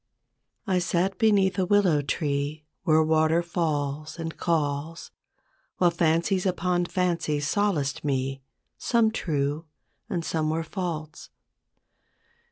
T SAT beneath a willow tree, Where water falls and calls; While fancies upon fancies solaced me, Some true, and some were false.